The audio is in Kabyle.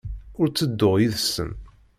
Ur ttedduɣ yid-sen.